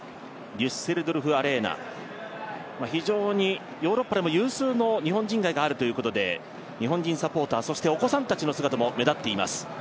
デュッセルドルフ・アレーナ、非常にヨーロッパでも有数の日本人街があるということで日本人サポーター、そしてお子さんたちの姿も目立っています。